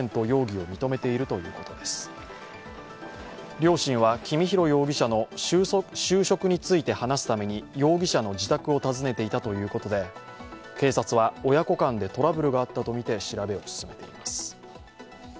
両親は公宏容疑者の就職について話すために容疑者の自宅を訪ねていたということで警察は親子間でトラブルがあったとみて調べを進めています。